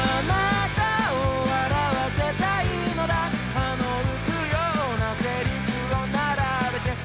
「歯の浮くような台詞を並べて」